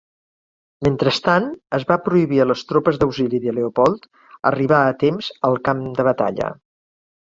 Mentrestant, es va prohibir a les tropes d'auxili de Leopold arribar a temps al camp de batalla.